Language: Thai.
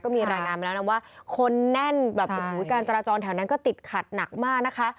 มีรายงานมาแล้วนะว่าคนแน่นแบบโอ้โหการจราจรแถวนั้นก็ติดขัดหนักมากนะคะ